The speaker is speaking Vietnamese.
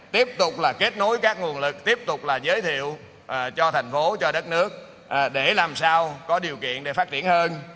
tiếp tục là kết nối các nguồn lực tiếp tục là giới thiệu cho thành phố cho đất nước để làm sao có điều kiện để phát triển hơn